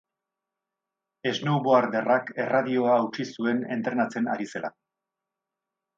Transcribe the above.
Snowboarderrak erradioa hautsi zuen entrenatzen ari zela.